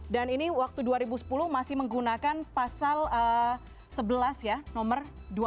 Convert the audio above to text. dan ini waktu dua ribu sepuluh masih menggunakan pasal sebelas ya nomor dua puluh delapan